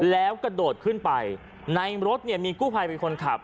แล้วกระโดดขึ้นไปในรถเนี่ยมีกู้ภัยเป็นคนขับ